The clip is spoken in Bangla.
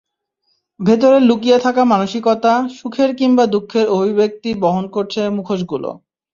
ভেতরে লুকিয়ে থাকা মানসিকতা, সুখের কিংবা দুঃখের অভিব্যক্তি বহন করছে মুখোশগুলো।